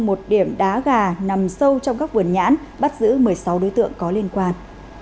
một điểm đá gà nằm sâu trong các vườn nhãn bắt giữ một mươi sáu đối tượng có liên quan